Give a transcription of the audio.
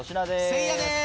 せいやです。